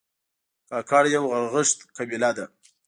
کاکړ یو غرغښت قبیله ده